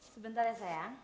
sebentar ya sayang